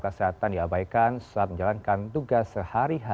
pertanyaan yang terakhir adalah